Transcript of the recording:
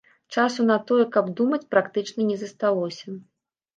Часу на тое, каб думаць, практычна не засталося.